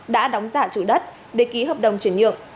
đã đóng giả chủ đất để ký hợp đồng chuyển nhượng